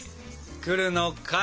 来るのかい。